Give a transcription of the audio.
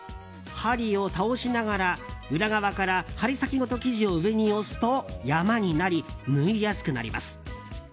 針を倒しながら裏側から針先ごと生地を上に押すと山になり、縫いやすくなります。